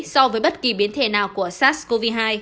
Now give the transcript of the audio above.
so với bất kỳ biến thể nào của sars cov hai